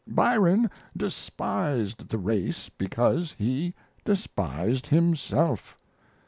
Byron despised the race because he despised himself.